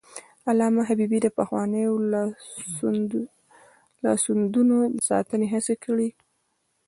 علامه حبيبي د پخوانیو لاسوندونو د ساتنې هڅې کړي.